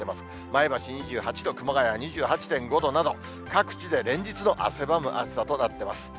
前橋２８度、熊谷２８．５度など、各地で連日の汗ばむ暑さとなっています。